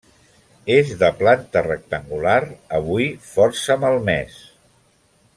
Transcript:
És de planta rectangular, avui força malmés.